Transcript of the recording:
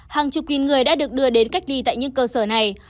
hàng chục nghìn người đã được đưa đến cách ly tại những cơ sở này